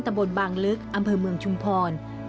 บนบางลึกอำเภอเมืองชุมพร